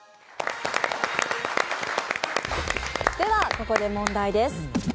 ここで問題です。